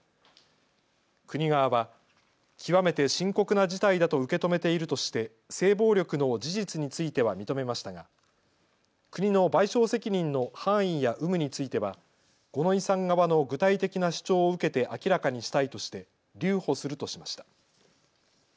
国側は極めて深刻な事態だと受け止めているとして性暴力の事実については認めましたが国の賠償責任の範囲や有無については五ノ井さん側の具体的な主張を受けて明らかにしたいとして留保するとしました。